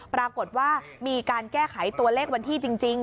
ปรากฏว่ามีการแก้ไขตัวเลขวันที่จริง